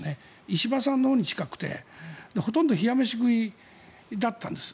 石破さんのほうに近くてほとんど冷や飯食いだったんです。